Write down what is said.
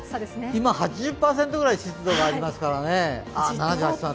今８０％くらい湿度がありますからね。